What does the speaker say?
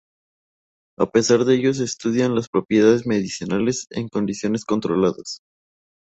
A pesar de ello se estudian las propiedades medicinales en condiciones controladas.